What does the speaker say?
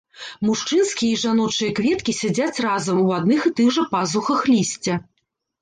Мужчынскія і жаночыя кветкі сядзяць разам у адных і тых жа пазухах лісця.